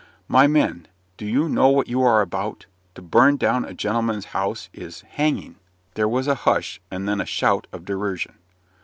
"My men, do you know what you are about? To burn down a gentleman's house is hanging." There was a hush, and then a shout of derision.